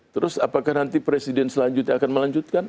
terus apakah nanti presiden selanjutnya akan melanjutkan